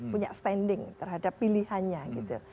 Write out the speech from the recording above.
punya standing terhadap pilihannya gitu